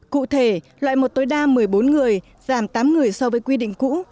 cụ thể loại một tối đa một mươi bốn người giảm tám người so với quy định cũ